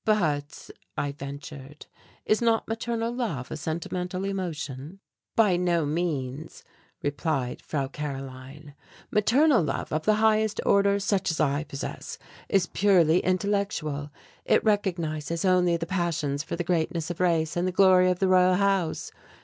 "But," I ventured, "is not maternal love a sentimental emotion?" "By no means," replied Frau Karoline. "Maternal love of the highest order, such as I possess, is purely intellectual; it recognizes only the passions for the greatness of race and the glory of the Royal House.